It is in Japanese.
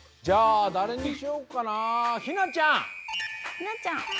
じゃあだれにしようかなひなちゃん！